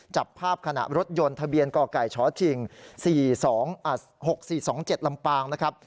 จับภาพขณะรถยนต์ทะเบียนกไก่ชชิง๔๒๖๔๒๗ลำปางนะครับ